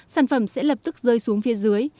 sản phẩm sẽ lập tức rơi xuống phía dưới